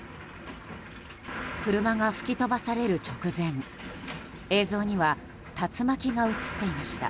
車が吹き飛ばされる直前映像には竜巻が映っていました。